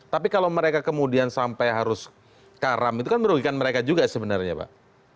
tapi kalau mereka kemudian sampai harus karam itu kan merugikan mereka juga sebenarnya pak